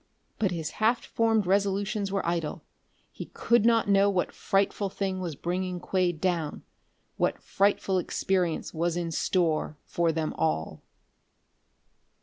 But his half formed resolutions were idle. He could not know what frightful thing was bringing Quade down what frightful experience was in store for them all....